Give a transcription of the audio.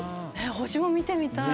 星も見てみたい！